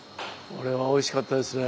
これはおいしかったですね。